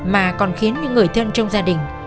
mà còn khiến những người thân trong gia đình